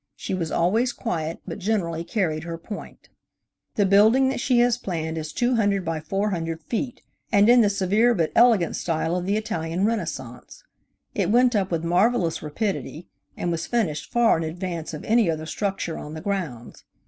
She was always quiet but generally carried her point. MISS HAYDENArchitect of the Women's Building. The building that she has planned is two hundred by four hundred feet, and in the severe but elegant style of the Italian renaissance. It went up with marvelous rapidity, and was finished far in advance of any other structure on the grounds.